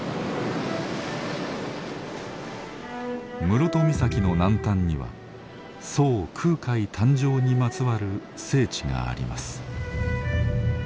室戸岬の南端には僧空海誕生にまつわる聖地があります。